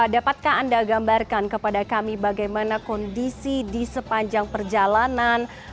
dapatkah anda gambarkan kepada kami bagaimana kondisi di sepanjang perjalanan